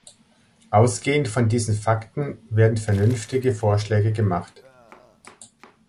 Ausgehend von diesen Fakten werden vernünftige Vorschläge gemacht.